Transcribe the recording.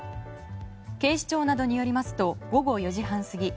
警視庁などによりますと午後４時半過ぎ